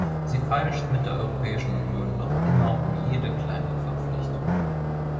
Sie feilscht mit der Europäischen Union noch immer um jede kleine Verpflichtung.